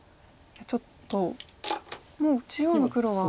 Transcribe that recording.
ちょっともう中央の黒は。